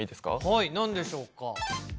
はい何でしょうか。